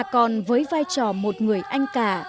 còn với vai trò một người anh cả